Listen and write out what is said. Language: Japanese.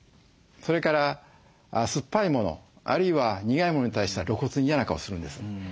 それから酸っぱいものあるいは苦いものに対しては露骨に嫌な顔するんです。